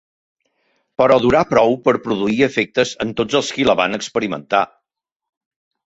Però durà prou per produir efectes en tots els qui la van experimentar